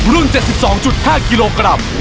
รุ่น๗๒๕กิโลกรัม